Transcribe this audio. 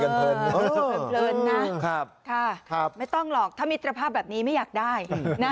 เพลินนะค่ะไม่ต้องหรอกถ้ามิตรภาพแบบนี้ไม่อยากได้นะ